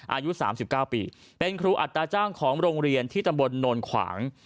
อายุ๓๙ปีเป็นครูอัตราจ้างของโรงเรียนที่ตำบลโนนขวาง